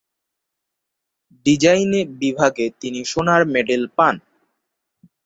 ডিজাইনে বিভাগে তিনি সোনার মেডেল পান।